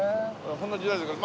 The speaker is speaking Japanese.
そんな時代だから。